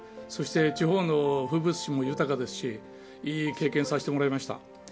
そして、地方の風物詩も豊かですしいい経験をさせてもらいました。